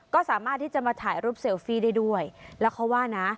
ก็สามารถที่จะมาถ่ายรูปเซลฟี่ได้ด้วยแล้วเขาว่านะ